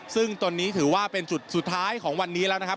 ซึ่งตอนนี้ถือว่าเป็นจุดสุดท้ายของวันนี้แล้วนะครับ